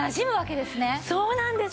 そうなんですよ。